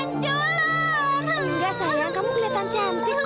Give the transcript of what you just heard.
enggak sayang kamu kelihatan cantik